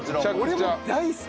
俺も大好き！